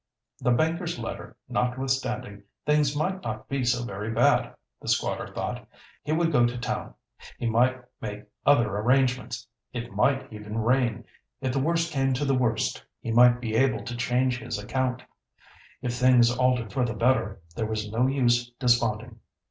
"The banker's letter notwithstanding, things might not be so very bad," the squatter thought. He would go to town. He might make other arrangements. It might even rain. If the worst came to the worst, he might be able to change his account. If things altered for the better, there was no use desponding.